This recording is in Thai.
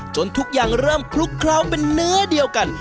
ทุกอย่างเริ่มคลุกเคล้าเป็นเนื้อเดียวกัน